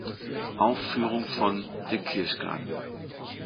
Aufführung von "Der Kirschgarten".